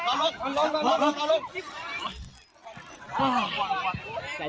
แสดงใจมันเก็บครับเป็น